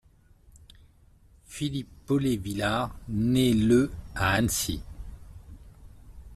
Philippe Pollet-Villard naît le à Annecy.